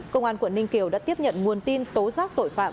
công an quận ninh kiều đã tiếp nhận nguồn tin tố giác tội phạm